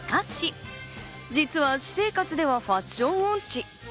しかし実は私生活ではファッション音痴。